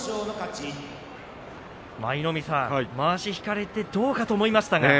舞の海さん、まわし引かれてどうかと思いましたが。